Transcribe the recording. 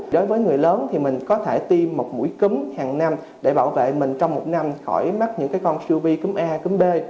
đối với người lớn thì mình có thể tiêm một mũi cứng hàng năm để bảo vệ mình trong một năm khỏi mắc những con siêu vi cúm a cúm b